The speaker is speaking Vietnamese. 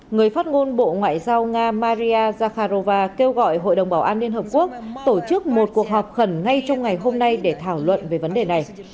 người phát ngôn bộ ngoại giao nga maria zakharova kêu gọi hội đồng bảo an liên hợp quốc tổ chức một cuộc họp khẩn ngay trong ngày hôm nay để thảo luận về vấn đề này